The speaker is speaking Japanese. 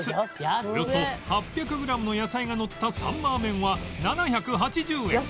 およそ８００グラムの野菜がのったサンマーメンは７８０円